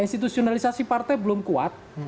institusionalisasi partai belum kuat